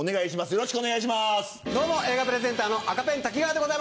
よろしくお願いします。